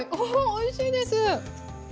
おいしいです！